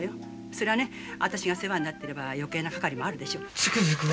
そりゃね私が世話になってれば余計なかかりもあるでしょう。